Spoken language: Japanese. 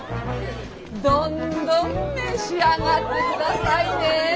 どんどん召し上がってくださいね。